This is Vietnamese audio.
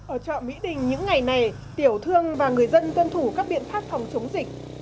ở trọ mỹ tình những ngày này tiểu thương và người dân tuân thủ các biện pháp phòng chống dịch